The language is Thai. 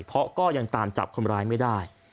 เพราะก็ยังตามจับคนร้ายไม่ได้